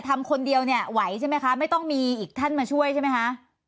ทำคนเดียวเนี่ยไหวใช่ไหมคะไม่ต้องมีอีกท่านมาช่วยใช่ไหมคะ